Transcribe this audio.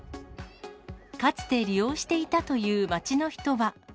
かつて利用していたという町の人は。